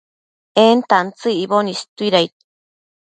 en tantsëc icboc istuidaid